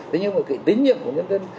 tuy nhiên là tính nhiệm của nhân dân